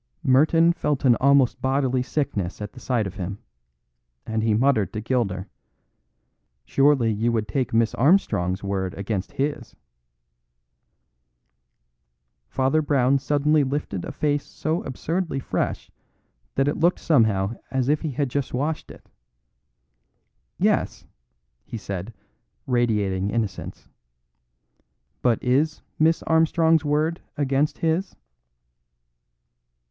Merton felt an almost bodily sickness at the sight of him; and he muttered to Gilder: "Surely you would take Miss Armstrong's word against his?" Father Brown suddenly lifted a face so absurdly fresh that it looked somehow as if he had just washed it. "Yes," he said, radiating innocence, "but is Miss Armstrong's word against his?"